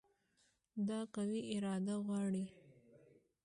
دا قوي اراده غواړي.